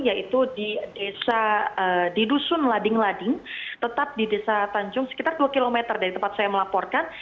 yaitu di dusun lading lading tetap di desa tanjung sekitar dua km dari tempat saya melaporkan